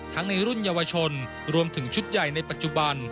ในรุ่นเยาวชนรวมถึงชุดใหญ่ในปัจจุบัน